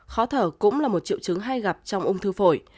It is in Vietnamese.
khó thở cũng là một triệu chứng hay gặp trong ung thư phổi